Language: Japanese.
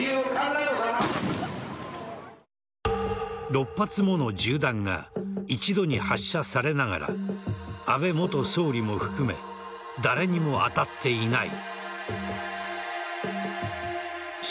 ６発もの銃弾が一度に発射されながら安倍元総理も含め誰にも当たっていない。